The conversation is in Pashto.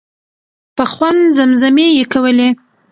په خوند زمزمې یې کولې.